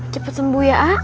cepet sembuh ya ah